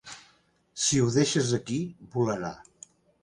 Si ho deixes aquí, volarà.